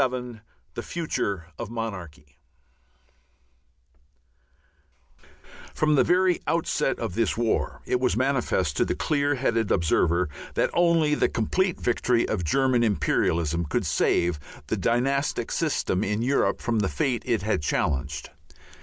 VII THE FUTURE OF MONARCHY From the very outset of this war it was manifest to the clear headed observer that only the complete victory of German imperialism could save the dynastic system in Europe from the fate that it had challenged.